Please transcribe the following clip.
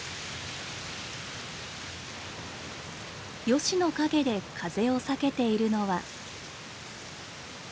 ヨシの陰で風を避けているのは。